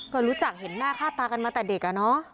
ก็รู้จักเห็นหน้าค่าตากันมาแต่เด็กอะเนาะ